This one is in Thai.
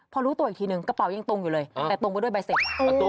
พอรู้ตัวอีกทีหนึ่งกระเป๋ายังตรงอยู่เลยแต่ตรงไปด้วยใบเสร็จ